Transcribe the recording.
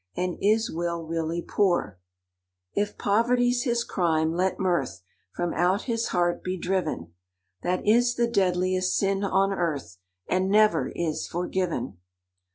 And is Will really poor? "If poverty's his crime, let mirth From out his heart be driven: That is the deadliest sin on earth, And never is forgiven!